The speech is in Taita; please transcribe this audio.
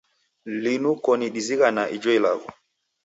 Linu koni dizighanagha ijo ilagho.